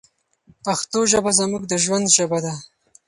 پښتو ژبه زموږ د ژوند ژبه ده.